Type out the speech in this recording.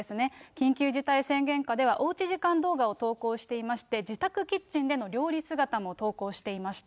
緊急事態宣言下では、おうち時間動画を投稿していまして、自宅キッチンでの料理姿も投稿していました。